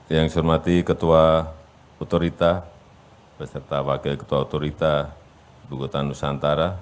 yang saya hormati ketua otorita beserta wakil ketua otorita bukutan nusantara